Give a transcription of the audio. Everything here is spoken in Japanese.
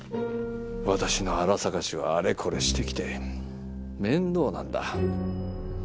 私のあら探しをあれこれしてきて面倒なんだ。